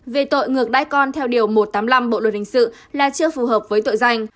về tội ngược đáy con theo điều một trăm tám mươi năm bộ luật hình sự là chưa phù hợp với tội danh